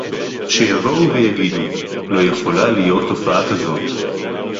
שיבואו ויגידו: לא יכולה להיות תופעה כזאת